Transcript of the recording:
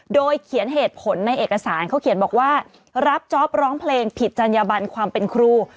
โดยเขียนเหตุผลในเอกสารเขาเขียนบอกว่ารับจ๊อปร้องเพลงผิดจัญญบันความเป็นครู